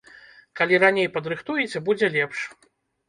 Калі раней падрыхтуеце, будзе лепш.